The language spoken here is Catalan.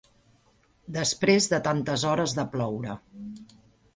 Després de tantes hores de ploure